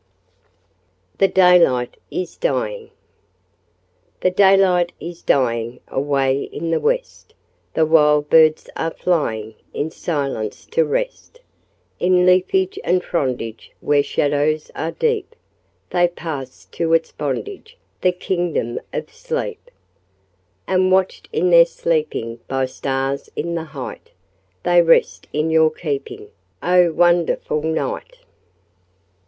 The Daylight is Dying The daylight is dying Away in the west, The wild birds are flying In silence to rest; In leafage and frondage Where shadows are deep, They pass to its bondage The kingdom of sleep. And watched in their sleeping By stars in the height, They rest in your keeping, Oh, wonderful night.